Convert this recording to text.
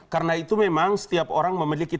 karena itu memang setiap orang memiliki